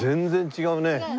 違うよね。